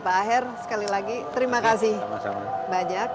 pak aher sekali lagi terima kasih banyak